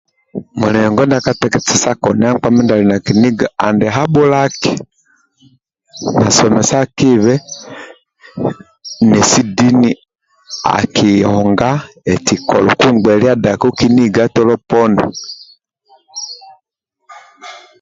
Mulingo ndia kateketa sa konia nkpa mindi ali na kiniga andi habhulaki nesi dini akionga eti kolo kungbelia dako kiniga tolo poni